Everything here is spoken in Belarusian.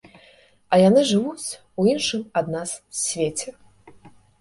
А яны жывуць у іншым ад нас свеце.